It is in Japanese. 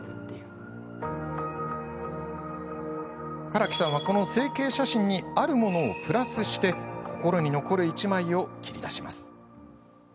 柄木さんは、この星景写真にあるものプラスして心に残る１枚を切り出します。